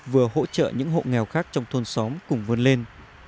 vừa hỗ trợ những hộ nghèo khác trong thôn xóm cùng vươn lên